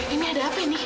ini ada apa ini